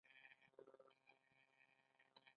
هغه له ناهیلۍ ځان ته وایی ویده شه